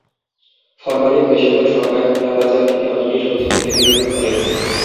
Formalin মেশানোর শঙ্কায় খোলা বাজার থেকে অনেকেই সবজি কিনতে দ্বিধা বোধ করেন।